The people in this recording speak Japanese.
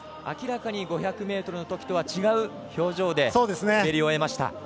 明らかに５００ｍのときとは違う表情で滑り終えました。